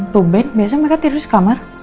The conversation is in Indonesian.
tumbek biasa mereka tidur di kamar